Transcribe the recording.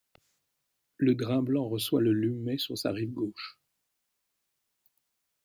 Le Drin blanc reçoit le Lumë sur sa rive gauche.